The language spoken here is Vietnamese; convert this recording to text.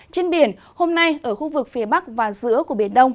trên biển hôm nay ở khu vực phía bắc và giữa của biển đông